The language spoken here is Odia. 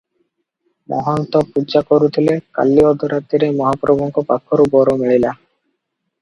ମହନ୍ତ ପୂଜା କରୁଥିଲେ, କାଲି ଅଧରାତିରେ ମହାପ୍ରଭୁଙ୍କ ପାଖରୁ ବର ମିଳିଲା ।